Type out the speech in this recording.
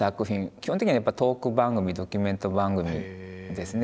基本的にはトーク番組ドキュメント番組ですね。